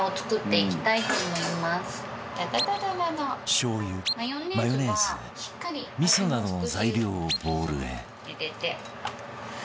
しょう油マヨネーズ味噌などの材料をボウルへ